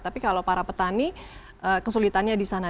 tapi kalau para petani kesulitannya disana